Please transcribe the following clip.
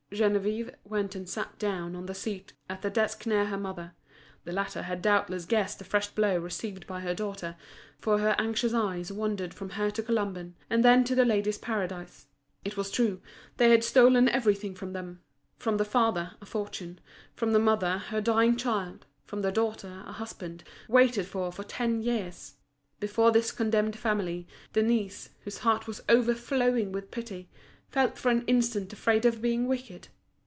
Geneviève went and sat down on the seat at the desk near her mother. The latter had doubtless guessed the fresh blow received by her daughter, for her anxious eyes wandered from her to Colomban, and then to The Ladies' Paradise. It was true, they had stolen everything from them: from the father, a fortune; from the mother, her dying child; from the daughter, a husband, waited for for ten years. Before this condemned family, Denise, whose heart was overflowing with pity, felt for an instant afraid of being wicked.